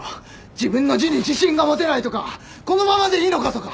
自分の字に自信が持てないとかこのままでいいのかとか。